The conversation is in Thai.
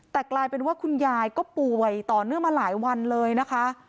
แต่กลายเป็นว่าคุณยายก็ป่วยต่อเนื่องมาหลายวันเลยนะคะ